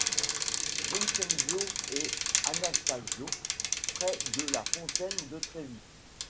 Vincenzo e Anastasio, près de la fontaine de Trevi.